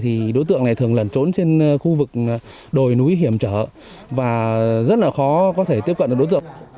thì đối tượng này thường lẩn trốn trên khu vực đồi núi hiểm trở và rất là khó có thể tiếp cận được đối tượng